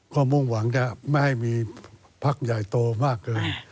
ก็มุ่งหวังจะไม่ให้มีพักใหญ่โตมากเกิน